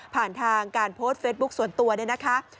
ผ่านทางการโพสต์เฟซบุ๊คส่วนตัวเนี่ยนะคะ